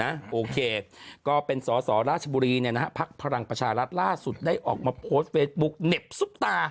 โอเคก็เป็นสอสอราชบุรีเนี่ยนะฮะพักพลังประชารัฐล่าสุดได้ออกมาโพสต์เฟซบุ๊กเหน็บซุปตา